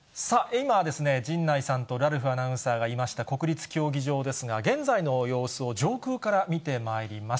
今、陣内さんとラルフアナウンサーがいました国立競技場ですが、現在の様子を上空から見てまいります。